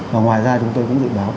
và ngoài ra chúng tôi cũng dự báo